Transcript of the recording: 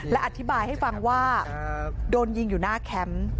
และอธิบายให้ฟังว่าโดนยิงอยู่หน้าแคมป์